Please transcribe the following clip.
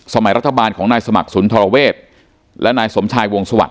สมัยรัฐบาลของนายสมัครสุนทรเวศและนายสมชายวงสวรร